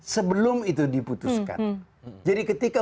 sebelum itu diputuskan jadi ketika